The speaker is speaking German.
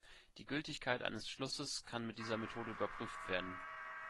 Die Gültigkeit eines Schlusses kann mit dieser Methode überprüft werden.